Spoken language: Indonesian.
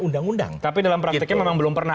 undang undang tapi dalam prakteknya memang belum pernah